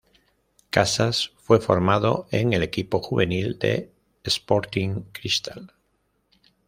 Casas fue formado en el equipo juvenil de Sporting Cristal.